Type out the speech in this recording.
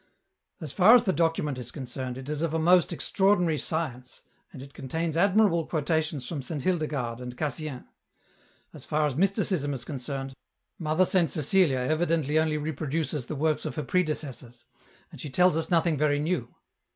" As far as the document is concerned, it is of a most extraordinary science, and it contains admirable quotations from Saint Hildegarde and Cassien : as far as Mysticism is concerned, Mother Saint Cecilia evidently only reproduces the works of her predecessors, and she tells us nothing very new.